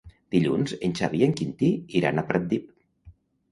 Dilluns en Xavi i en Quintí iran a Pratdip.